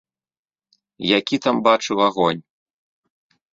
Які там бачыў агонь?